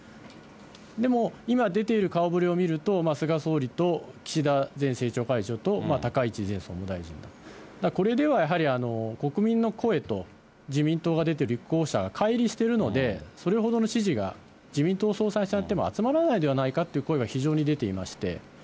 でも、今、出ている顔ぶれを見ると、菅総理と岸田前政調会長と、高市前総務大臣だと、だからこれではやはり国民の声と、自民党が出て立候補者がかい離してるので、それほどの支持が自民党総裁選やっても集まらないんではないかという声が非常に出ていまして。